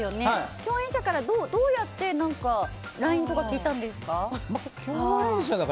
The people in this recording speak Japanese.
共演者からどうやってＬＩＮＥとか聞いたんですか？